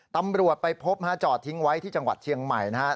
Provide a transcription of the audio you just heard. ตำรวจไปพบจอดทิ้งไว้ที่จังหวัดเชียงใหม่นะครับ